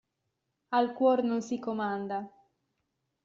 Al cuor non si comanda.